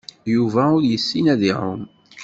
Yuba ur yessin ad iɛum.